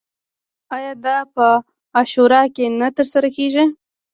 آیا دا په عاشورا کې نه ترسره کیږي؟